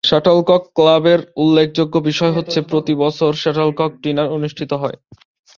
Shuttlecock ক্লাবের উল্লেখযোগ্য বিষয় হচ্ছে প্রতি বছর শাটলকক ডিনার অনুষ্ঠিত হয়।